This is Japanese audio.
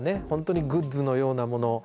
本当にグッズのようなもの